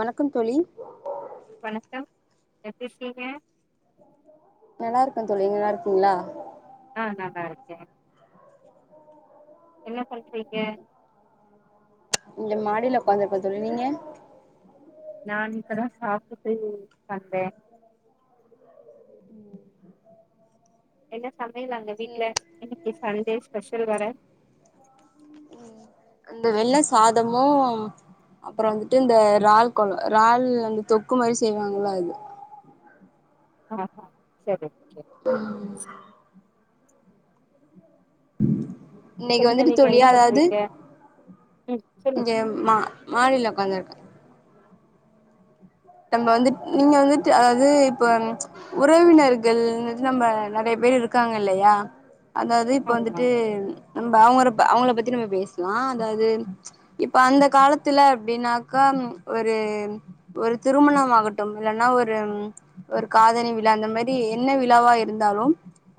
வணக்கம் தோழி வணக்கம் எப்டி இருக்கிங்க நல்லா இருக்கன் தோழி நீங்க நல்லா இருக்கிங்ளா ஆன் நல்லா இருக்கேன் என்ன பண்றீங்க இந்த மாடியில ஒக்காந்துருக்க தோழி நீங்க நான் இப்பதா சாப்ட்டு வந்தே என்ன சமையல் அந்த வீட்ல சேரி இன்னைக்கி சண்டே ஸ்பெஷல் வேற அந்த வெள்ள சாதமு அப்றோந்துட்டு இந்த றால் குழ றால் அந்த தொக்கு மாதிரி செய்வாங்கல்ல அது ஹ ஆன் செரி ம் இன்னைக்கு சொல்லுங்க வந்துட்டு நீங்க தோழி என்ன அதாது பண்றீங்க ம் சொல்லுங்க இங்க மா மாடில ஒக்காந்து இருக்கன் நம்ப வந்து நீங்க வந்துட்டு அதாது இப்ப உறவினர்கள் நம்ம நெறைய பேர் இருக்காங்க இல்லையா அதாது இப்ப ஆமா வந்துட்டு நம்ப அவங் அவங்கள பத்தி நம்ம பேஷ்லா அதாது இப்ப அந்த காலத்துல அப்டினாக்கா ஒரு உ ஒரு திருமணம் ஆகட்டும் இல்லன்னா ஒரு ஒரு காதணி விழா அந்த மெரி என்ன விழாவா இருந்தாலும்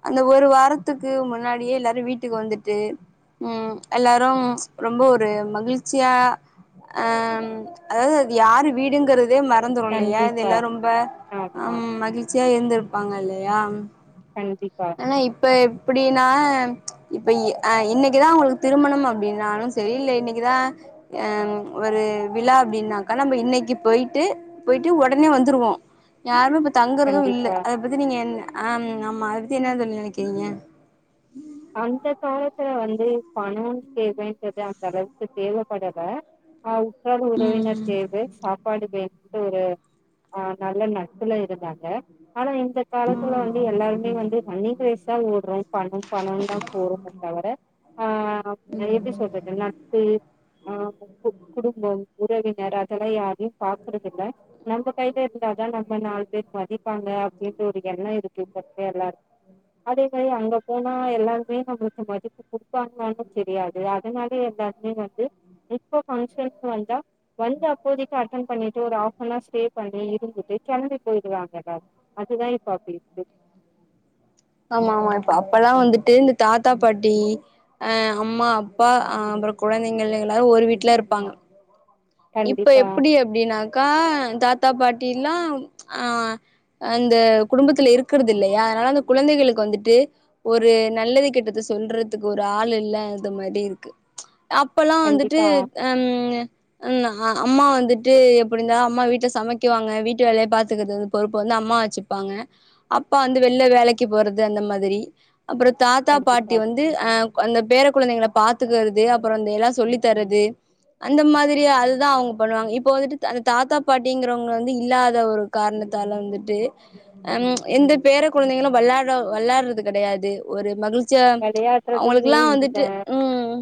அந்த ஒரு வாரத்துக்கு முன்னாடியே எல்லாரு வீட்டுக்கு வந்துட்டு ம் எல்லாரும் ரொம்ப ஒரு மகிழ்ச்சியா அன் அதாது அது யாரு வீடுங்கிற து மறந்துரு இல்லயா இத கண்டிப்பா எல்லா ரொம்ப ஆமா ஹம் மகிழ்ச்சியா இருந்துருப்பாங்க இல்லயா கண்டிப்பா ஆனா இப்ப எப்டினா இப்ப எ இன்னிக்குதா உங்ளுக்கு திருமணம் அப்டின்னாலு சரி இல்ல இன்னிக்குதா அம் ஒரு விழா அப்டினாக்கா நம்ம இன்னிக்கு போயிட்டு போயிட்டு ஒடனே வந்துருவோ யாரும் இப் தங்குறதும் இல்ல கண்டிப்பா அத பத்தி நீங்க அம் ஆமா அத பத்தி என்ன தோழி நெனைக்கிறிங்க அந்த காலத்துல வந்து பணம் தேவைன்றது அந்த அளவுக்கு தேவபடல ஆ உட்ரார் உறவினர் ம் தேவ சாப்பாடு வே ஒரு அ நல்ல நட்புல இருந்தாங்க ஆனா இந்த காலத்துல வந்து எல்லாருமே வந்து ரன்னிங் ரேஸா ஓட்றோ பணோ ந்தா போது தவர ஆ ஆ எப்டி சொல்றது நட்பு அ கு குடும்பம் உறவினர் அதெல்லா யார் தியு பாக்றதில்ல நம்ப கையில இருந்தாதா நம்ம நாலு பேர் மதிப்பாங்க அப்டின்ற ஒரு எண்ணோ இருக் து பத்தே எல்லாருக் அதே மாரி அங்க போனா எல்லாருமே நம்மள்கு மதிப்பு குடுப்பாங்ளானு தெரியாது அதனால எங்க அண்ணி வந்து இப்ப ஃபங்ஷன் வந்தா வ இங்க அப்போதிக்கு அட்டன் பண்ணிட்டு ஒரு ஆப் எல்லா ஸ்டே பண்ணி இருந்துட்டு கெளம்பி போயிருவாங்கல்ல அதுதா இப்ப அப்டி இருக்கு ஆமா ஆமா இப்ப அப்பல்லா வந்துட்டு இந்த தாத்தா பாட்டி அ அம்மா அப்பா அ அப்றோ கொழந்தைங்கல்ல எல்லாரு ஒரு வீட்ல இருப்பாங்க இப்ப கண்டிப்பா எப்டி அப்டினாக்கா தாத்தா பாட்டில்லா ம்ச் அ அந்த குடும்பத்துல இருக்கறதில்லையா அதனால அந்த குழந்தைகளுக்கு வந்துட்டு ஒரு நல்லது கெட்டது சொல்றதுக்கு ஒரு ஆள் இல்லாத மாரி இருக்கு ம்ச் அப்பல்லா வந்துட்டு கண்டிப்பா அம் ம் அ அம்மா வந்துட்டு எப்டிந்தா அம்மா வீட்ல சமைக்குவாங்க வீட்டு வேலய பாத்துகற்து பொறுப்பு வந்து அம்மா ச்சுப்பாங்க அப்பா வந்து வெல்ல வேலைக்கு போறது அந்த மாதிரி அப்புற தாத்தா பாட்டி கண்டிப்பா வந்து அ அந்த பேர குழந்தைகள பாத்துக்கறது அப்றோ இந்த எல்லா சொல்லி தரது அந்த மாதி ரி அதுதா அவுங்க பண்ணுவாங்க இப்ப வந்துட்டு த அந்த தாத்தா பாட்டிங்றவுங்க வந்து இல்லாத ஒரு காரணத்தால வந்துட் டு அம் ம்ச் எந்த பேர கொழந்தைங்களு வெள்ளாட வெள்ளாட்றது கெடையாது ஒரு மகிழ் ச்ச வெளையாடுறதுமே அவுங்களுகெல்லா இல்ல வந்துட்டு ம்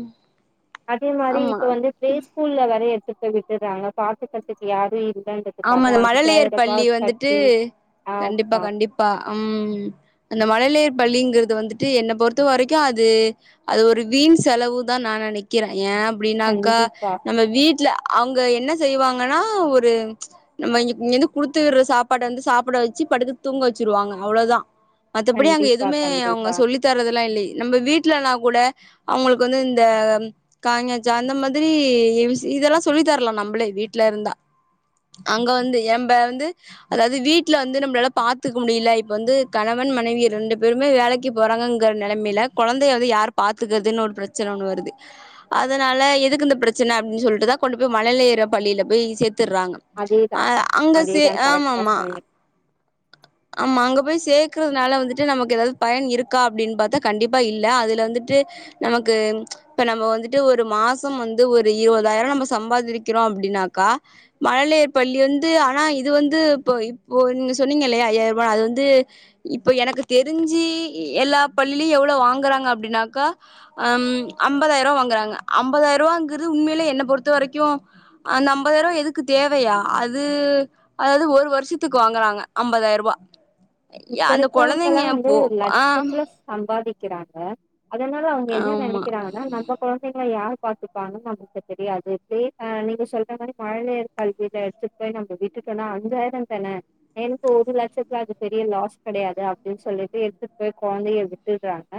அதே மாரி ஆமா இப்ப வந்து ஃப்ளே ஸ்கூல்ல வேர எத்துட் போய் விட்டுறாங்க பாத்துக்கற்துக்கு யாரு இல் ஆமா அந்த மழலையர் பள்ளி வந்துட்டு கண்டிப்பா ஆமா கண்டிப்பா அம் அந்த மழை லையர் பள்ளிங்கிறது வந்துட்டு என்ன பொறுத்த வரைக்கு அது அது ஒரு வீண் செலவு தா நா நெனைக்கிறே ஏ அப்டினாக்கா கண்டிப்பா நம்ம வீட்ல அங்க என்ன செய்வாங்கனா ஒரு ம்ச் நம்ம இங்க இங்கிருந்து குடுத்து விட்ற சாப்பாட வந்து சாப்ட வச்சி படுத்து தூங்க வச்சிருவாங்க அவ்ளோதா மத்தபடி அங்க கண்டிப்பா எதுமே அவுங்க கண்டிப்பா சொல்லி தர்றது எல்லா இல்லை நம்ப வீட்ல ந வூல அவுங்களுக்கு வந்து இந்த க ங ச அந்த மாதிரி ஏ பி சி இதெல்லா சொல்லி தரலனா நம்பளே வீட்ல இருந்தா அங்க வந்து ஏம்ப வந்து அதாவது வீட்ல வந்து நம்மளால பாத்துக்க முடியில இப்ப வந்து கணவன் மன னைவி ரெண்டு பேருமே வேலைக்கு போறாங்கங்கற நெலமையில கொழந்தைய வந்து யார் பாத்துக்கற்துன் ஒரு பிரச்சன ஒன்னு வருது அதனால எதுக்கு இந்த பிரச்சன அப்டின் சொல்ட்டுதா கொண்டு போய் மழலையர் பள்ளியில போய் சேத்துர்ரா அதேதா அ அங்க செ அதேதான் கரெக்டா ஆமாமா சொன்னீங்க ஆமா அங்க போய் சேக்கர்துனால வந்துட்டு நமக்கு ஏதாவது பயன் இருக்கா அப்டின் பாத்தா கண்டிப்பா இல்ல அதுல வந்துட் டு நமக்கு ம்ம் இப்ப வந்துட்டு ஒரு மாசோம் வந்து ஒரு இருவதாயிர நம்ப சம்பாதிரிக்கிறோ அப்டினாகா மழலையர் பள்ளி வந்து ஆனா இது வந்து இப்ப இப்போ நீங்க சொன்னீங்க இல்லயா ஐயார்ருவா அது வந்து இப்ப எனக்கு தெரிஞ்சி எல்லா பள்ளி எவ்ளோ வாங்குறாங்க அப்டின்னா க அம் அம்பதாயிரோ வாங்குறாங்க அம்பதாயிரூவாங்கிற்து உண்மையிலே என்ன பொறுத்த வரைக்கு அந்த அம்பதாயிரூவா எதுக்கு தேவையா அது அதாவது ஒரு வருஷத்துக்கு வாங்குறாங்க அம்பதாயிரோ வா இப்ப இருக்கவங்கல்லா வந்து ஆ லட்சத்துல சம்பாதிக் க்கிறாங்க அதனால அவுங்க என்ன ஆமா நெனைக்கிறாங்னா நம்ப கொழந்தைகள யார் பாத்துப்பாங்கன் நமக்கு அத் தெரியாது தே அ நீங்க சொல்ற மாரி மழலையர் கல்வியில எடுத்துட்டு போய் நம்ப வீட்டு க்கனு அஞ்சாயிர தான டென் டு [unintelligible] லேக்ஸ் அது ஃப்ராஜெக்ட பெரிய லாஸ் கெடையாது அப்டின் சொல்லிட்டு எடுத்துட் போய் கொழந்தைய விட்டுறாங்க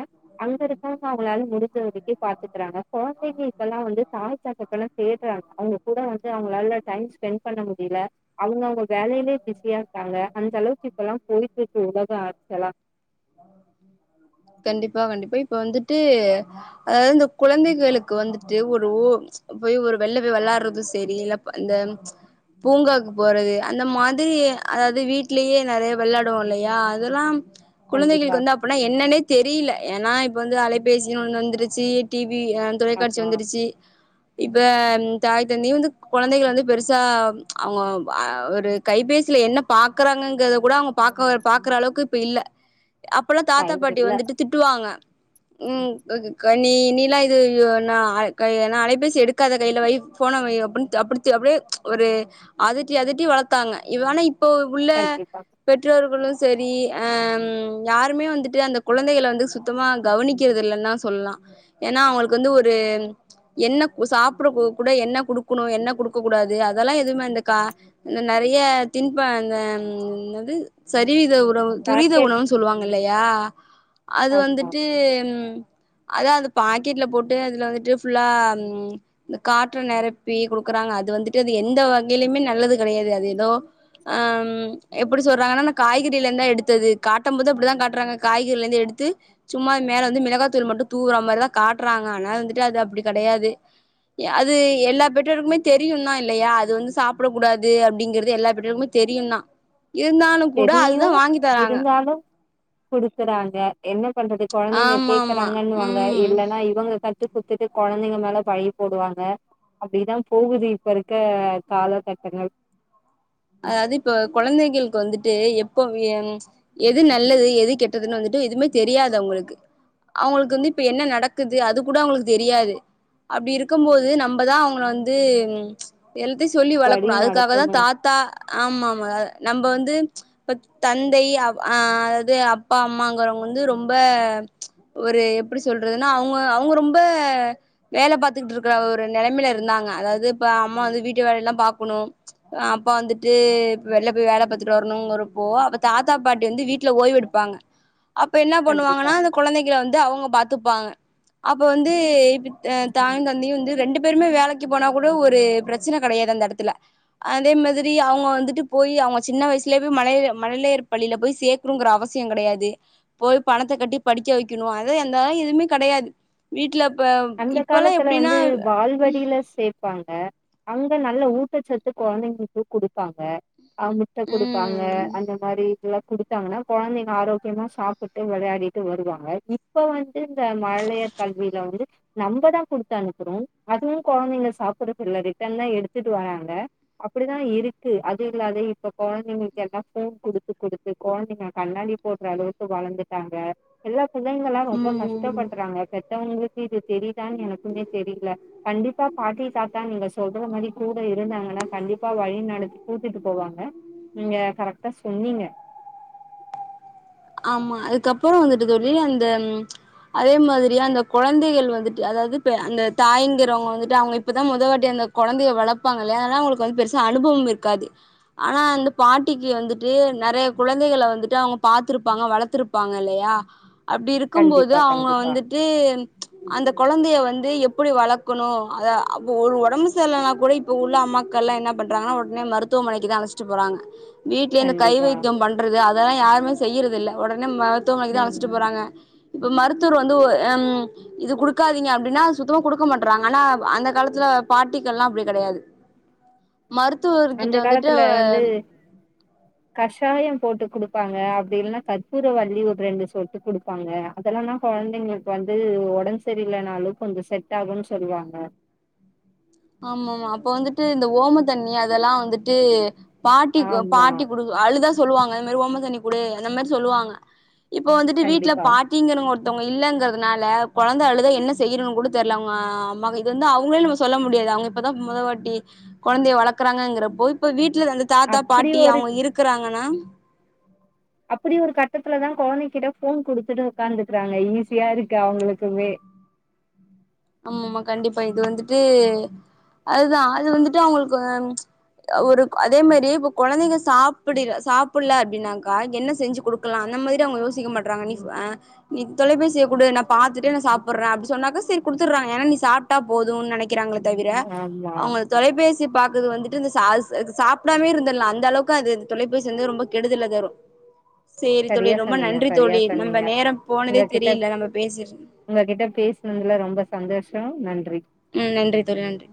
அங்க இருக்க அவுங்களால முடிஞ்ச வரைக்கு பாத்துக்கிறாங்க கொழந்தைங்க இப்பெல்லா வந்து தாய் தகப்பன தோட்றாங்க அவுங்க கூட வந்து அவ அவங்களால டைம் ஸ்பெண் பண்ண முடிய அவங்க அவங்க வேலையிலே பிஸியா இருக்காங்க அந்த அளவுக்கு இப்பல்லாம் போயிட்டு இருக்கு உலக ஆக்சுவலா கண்டிப்பா கண்டிப்பா இப்ப வந்துட்டு அதாவது இந்த குழந்தைகளுக்கு வந்துட்டு ஒரு ஊர் போய் ஒரு வெள்ள போய் விளாடுறதும் சரி அப் இந்த பூங்காக்கு போறது அந்த மாதிரி அதாவது வீட்லயே நிறைய விளையாடுவோம் இல்லையா அதெல்லாம் கண்டிப்பா குழந்தைகளுக்கு வந்து அப்பன்னா என்னன்னே தெரியல ஏன்னா இப்ப வந்து அலைபேசி வந்துருச்சு டிவி தொலைக்காட்சி ஆமா வந்துருச்சு இப்ப தாய் தந்தையும் வந்து குழந்தைகள் வந்து பெருசா அவங்க ஒரு கைபேசியில என்ன பாக்கறாங் ங்கறத கூட அவங்க பாக் பாக்குற அளவுக்கு இப்ப இல்ல அப்பல்லாம் தாத்தா டைம் பாட்டி இல்ல வந்துட்டு திட்டுவாங்க ம் கனி இனிய்ல இது ந [unintelligible] அலைபேசி எடுக்காத கையிலவெய் போன் [unintelligible] அப்படியே ஒரு அதட்டி அதட்டி வளத்தாங்க இவனா இப்ப இப்போ உள்ள கண்டிப்பா பெற்றோர்களும் சரி அ யாருமே வந்துட்டு அந்த குழந்தைகலா வந்து சுத்தமா கவனிக்கிறது இல்லைன்ன சொல்லலாம் ஏன்னா அவங்களுக்கு வந்து ஒரு என்ன சாப்பிட கூட என்ன கொடுக்கணும் என்ன கொடுக்க கூடாது அதெல்லாம் எதுவுமே இந்த கா நிறைய திண்பன் சரி இது துரித பாக்கெட் உணவுனு சொல்லுவாங்க ம் இல்லையா அது ஆமா வந்திட்டு அதான் அந்த பாக்கெட்ல போட்டு அதுல வந்துட்டு புல்லா காற்ற நிரப்பி கொடுக றாங்க அது வந்துட்டு அது எந்த வகையிலயுமே நல்லது கிடையாது அது ஏதோ ஹம் எப்படி சொல்றாங்கன்னா காய்கறில இருந்தான் எடுத்தது கா கட்டும் போது அப்படிதான் காட்டுறாங்க காய்கறில இருந்து எடுத்து சும்மா மேல வந்து மிளகா தூள் மட்டும் துவுற மாரிதா காட்றாங்கா அன வந்துட்டு அது அப்படி கிடையாது அது எல்லா பெற்றெருக்குமே தெரியும் தான் இல்லையா அது வந்து சாப்பிட கூடாது அப்படிங்கறது எல்லா பெற்றெருக்குமே தெரியும் தான் இருந்தாலும் கூட தெரியு அதுதான் வாங்கி தராங்க இருந்தாலு குடுக்குறாங்க என்ன பண்றது குழந்தைங்க ஆமா ஆமா கேக்குறாங்கன்னுவாங்க ம் இல்ன்னா இவங்க கத்து குத்துட்டு குழந்தைங்க மேல பழிய போடுவாங்க அப்படிதான் போகுது இப்ப இருக்க கால கட்டங்கள் அதாவது இப்ப குழந்தைகளுக்கு வந்துட்டு எப்போ எது நல்லது எது கெட்டதுன்னு வந்துட்டு எதுவுமே தெரியாது அவங்களுக்கு அவங்களுக்கு வந்து இப்ப என்ன நடக்குது அது கூட அவங்களுக்கு தெரியாது அப்படி இருக்கும் போது நம்மதான் அவங்கள வந்து உ எல்த்தையு சொல்லி வழி வளர்க்கணு அதுக்காகதா நடத்தணு தாத் ஆமா ஆமா நம்ம வந்து இப்ப தந்தை அதாவது அப்பா அம்மாங்கறவங்க வந்து ரொம்ப ஒரு எப்படி சொல்றதுன்னா அவங்க அவங்க ரொம்ப வேலை பாத்து ஒரு நிலைமில இருந்தாங்க அதாவது இப்ப அம்மா வந்து வீட்டு வேலை எல்லாம் பாக்கணும் அப் அப்பா வந்துட்டு வெளில போய் வேலை பாத்துட்டு வரணும்கிறப்போ அப்ப தாத்தா பாட்டி வந்து வீட்டுல ஓய்வு எடுப்பாங்க அப்ப என்ன பண்ணுவாங்கன்னா கண்டிப்பா அந்த குழந்தைகலா வந்து அவங்க பாத்துப்பாங்க அப்ப வந்து இப்ப தாயும் தந்தையும் வந்து ரெண்டு பேருமே வேலைக்கு போனா கூட ஒரு பிரச்சனை கிடையாது அந்த இடத்துல அதே மாதி சரி அவங்க வந்துட்டு போய் அவங்க சின்ன வயசுலேயே மழையை மழலையார் பள்ளியில போய் சேர்க்குங்கிற அவசியம் கிடையாது போய் பணத்தை கட்டி படிக்க வைக்கணும் அது எந்தா எதுவுமே கிடையாது வீட்டுல அந்த காலத்துல வந்து வால்வடில சேர் ப்பாங்க அங்க நல்ல ஊட்டச்சத்து குழந்தைங்களுக்கு கொடுப்பாங்க அ முட்டை கொடுப்பாங்க ம் அந்த மாதிரி இதல்லாம் கொடுத்தாங்கன்னா குழந்தைங்க ஆரோக்கியமா சாப்பிட்டு விளையாடிட்டு வருவாங்க இப்ப வந்து இந்த மழையர் கல்வியில வந்து நம்மதா கொடுத்து அனுப்புறோ அதுவும் குழந்தைங்க சாப்பிடுறதுல்ல ரிட்டன் தா எடுத்துட்டு வராங்க அப்டிதா இருக்கு அது இல்லாத இப்ப குழந்தைங்களுக்கு எல்லா போன் கொடுத்து கொடுத்து குழந்தைங்க கண்ணாடி போற அளவுக்கு வளர்ந்துட்டாங்க எல்லா பிள்ளைங்களா ரொம்ப ம் கஷ்டப்படுறாங்க பெத்தவங்களுக்கு இது தெரியதான்னு எனக்குமே தெரியல கண்டிப்பா பாட்டி தாத்தா நீங்க சொல்ற மாரி கூட இருந்தாங்கன்னா கண் கண்டிப்பா வழி நடத்தி கூட்டிடு போவாங்க நீங்க கரெக்டா சொன்னீங்க ஆ ஆமா அதுக்கப்பறோ வந்துட்டு தோழி அந்த அதே மாரியா அந்த குழந்தைகள் வந்துட்டு அதாவது அந்த தாய்ங்கிறவங்க வந்துட்டு அவங்க இப்பதா மொதவாட்டி அ ந்த குழந்தையை வளர்பாங்கள அத அவங்களுக்கு வந்து பெருசா அனுபவம் இருக்காது ஆனா அந்த பாட்டிக்கு வந்துட்டு நறைய குழந்தைகளை வந்துட்டு அவங்க பாத்துருப்பாங்க வளர்த்துருப்பாங்க இல்லையா அப்டி இருக்கும்போது கண்டிப்பா அவங்க கண்டிப்பா வந்துட்டு அந்த குழந்தைய வந் து எப்டி வளக்கணு அத அப்ப ஒரு ஒடம்பு சரில்லனா கூட இப்ப உள்ள அம்மாக்கல்லா என்ன பண்றாங்கன்னா ஒட்னே மருத்துவமனைக்கு தா அழைச்சிட்டு போறாங்க வீட்லயே இந்த கை கண்டிப்பா வைத்தியம் பண்றது அதெல்லா யாருமே செய்யறது இல்ல உடனே மரு த்துவமனைக்கு தா ம் அழச்சுட்டு ம். போறாங்க இப்ப மருத்துவர் வந்து அம் இது குடுக்காதீங்க அப்டின்னா சுத்தமா குடுக்க மாட்டறாங்க ஆனா அந்த காலத்துல ப பாட்டிகள் எல்லா அப்டி கிடையாது ஆ அந்த காலத்துல வந்து கஷாயம் போட்டு கொடுப்பாங்க அப்டி இல்ன்னா கற்பூர வள்ளி ஒரு ரெண்டு சொட்டு குடுப்பாங்க அதெல்லா தா குழந்தைங்களுக்கு வந் து ஒடன்பு சரியில்லனாலு கொஞ்ச செட் ஆகுன் சொல்லுவாங்க ஆமா ஆமா அப்ப வந்துட்டு இந்த ஓம தண்ணி அதெல்லா வந்துட்டு பாட்டி ஆமா பாட்டி குடு அழுதா சொல்லுவாங்க அந்த மாரி ஓமத்தண்ணி குடு அந்த மாரி சொல்லுவாங்க இப்போ வந்துட்டு வீட்டுல கண்டிப்பா பாட்டிங்கறங்க ஒரு த்தவங்க இல்லங்கறதுனால கொழந்த அழுத என்ன செய்யம்னு கூட தெரியல அவங்க அம்மா இது வந்து அவங்கள நம்ம சொல்ல மு டியாது அவங்க இப்தா மொதவாட்டி குழந்தையை வளர்க்கறாங்கபோ இப்ப வீ வீட்டுல அந்த தாத்தா அப்டி பாட்டி ஒரு அவங்க இருக்கறாங்கன்னா அப்டி ஒரு கட்டத்துலதா கொழந்தைகிட்ட ஃபோன் குடுத்துட்டு உக்கார்ந்துக்கறாங்க ஈஸியா இருக்கு அவுங்களுக்மே ஆ ஆமா ஆமா கண்டிப்பா இது வந்துட்டு அதுதா அது வந்துட்டு அவங்களுக்கு ஒரு அதே மாரி இப்ப கொழந்தைங்க சாப்பிட சாப்புல அப்டினாக்கா என்ன செஞ்சு கொடுக்கலா நம்ம இத அவங்க யோசிக்க மாட்ராங்க நீ அ நீ தொலைபேசிய கூடு நா பாத்துட்டே சாப்பிடுறே அப்டி சொன்னாக்க சரி குடுத்துடுறாங்க ஏன்னா நீ சாப்ட்டா போதும்னு நெனைக்கிறாங்கள தவிர ஆமா அவங்க தொலைபேசி பாக்குது வந்துட்டு இந்த சாஸ் சாப்பிடாமே இருந்தடலா அந்த அளவுக்கு அது தொலைபேசி வந்து ரொம்ப கெடுதலதரு சேரி தோழி சரியா ரொம்ப சொன்னீங்க நன்றி சரியா தோழி நம்ம சொன்னீங்க நேரம் போனதே உங்ககிட்ட தெரியல நம்ம பேசிற் உங்ககிட்ட பேசுனதுல ரொம்ப சந்தோஷ நன்றி ம் நன்றி தோழி நன்றி